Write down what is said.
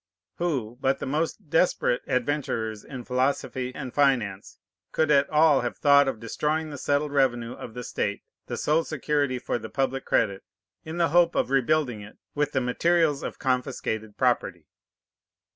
Who but the most desperate adventurers in philosophy and finance could at all have thought of destroying the settled revenue of the state, the sole security for the public credit, in the hope of rebuilding it with the materials of confiscated property?